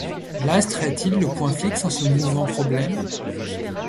L’astre est-il le point fixe en ce mouvant problème?